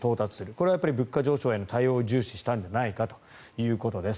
これは物価上昇への対応を重視したんじゃないかということです。